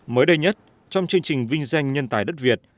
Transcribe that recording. mới đây nhất trong chương trình vinh danh nhân tài đất việt